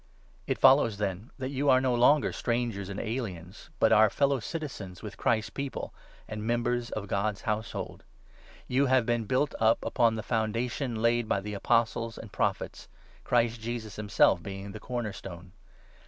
It 19 follows, then, that you are no longer strangers and aliens, but are fellow citizens with Christ's People and members of God's Household. You have been built up upon the foundation laid 20 by the Apostles and Prophets, Christ Jesus himself being 'the corner stone.'